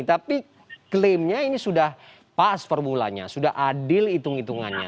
tapi klaimnya ini sudah pas formulanya sudah adil hitung hitungannya